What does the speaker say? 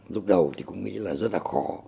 lúc đầu thì cũng nghĩ là rất là khó